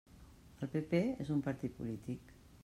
El PP és un partit polític.